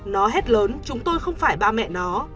nó hết lớn chúng tôi không phải ba mẹ nó